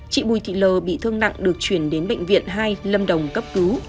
chị bùi thị lờ bị thương nặng được chuyển đến bệnh viện hai lâm đồng cấp cứu